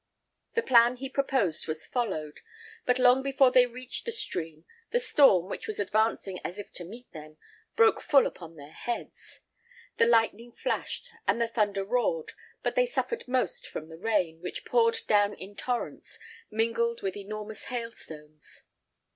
The plan he proposed was followed; but long before they reached the stream, the storm, which was advancing as if to meet them, broke full upon their heads. The lightning flashed, and the thunder roared; but they suffered most from the rain, which poured down in torrents, mingled with enormous hailstones.